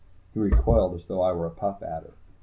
He recoiled as though I were a Puff Adder.